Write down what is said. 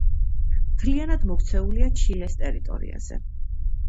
მთლიანად მოქცეულია ჩილეს ტერიტორიაზე.